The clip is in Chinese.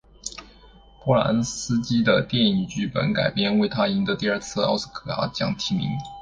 波兰斯基的电影剧本改编为他赢得第二次奥斯卡奖提名。